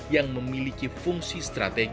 yang memiliki fungsi yang sangat penting